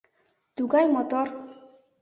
Тугай мотор